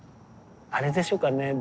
あれでしょうかね